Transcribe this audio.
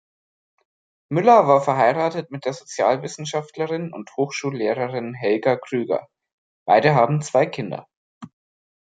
Müller war verheiratet mit der Sozialwissenschaftlerin und Hochschullehrerin Helga Krüger; beide haben zwei Kinder.